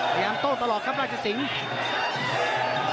พยายามโตตลอดครับราชสิงห์